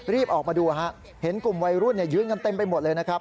รีบออกมาดูฮะเห็นกลุ่มวัยรุ่นยืนกันเต็มไปหมดเลยนะครับ